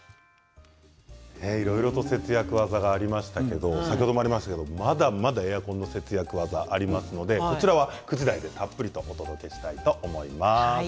いろいろと節約技がありましたけれどもまだまだエアコンの節約技ありますので９時台でたっぷりとお届けしたいと思います。